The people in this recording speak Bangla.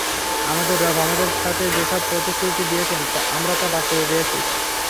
আমাদের রব আমাদের সাথে যেসব প্রতিশ্রুতি দিয়েছেন আমরা তা বাস্তবে পেয়েছি।